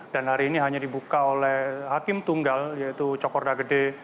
dan hari ini hanya dibuka oleh hakim tunggal yaitu cokorda gede